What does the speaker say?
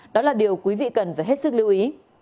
đó là điều quý vị cần phải hết sức lưu ý